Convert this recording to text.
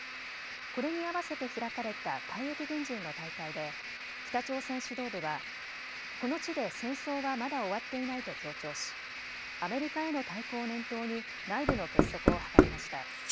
これに合わせて開かれた退役軍人の大会で、北朝鮮指導部は、この地で戦争はまだ終わっていないと強調し、アメリカへの対抗を念頭に、内部の結束を図りました。